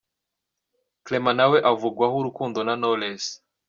Clement nawe avugwaho urukundo na Knowless.